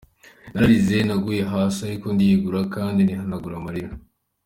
Nararize, naguye hasi ariko ndiyegura kandi nihanagura amarira.